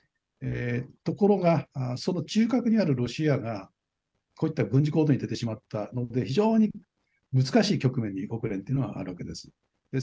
ところがその中核にあるロシアがこういった軍事行動に出てしまったので非常に難しい局面に国連っていうのはあるわけです。